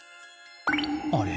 あれ？